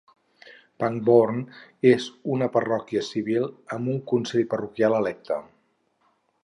Pangbourne és una parròquia civil amb un consell parroquial electe.